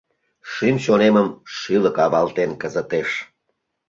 Шӱм-чонемым шӱлык авалтен кызытеш.